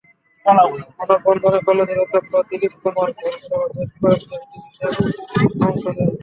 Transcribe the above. মানববন্ধনে কলেজের অধ্যক্ষ দিলীপ কুমার ধরসহ বেশ কয়েকজন চিকিত্সক অংশ নেন।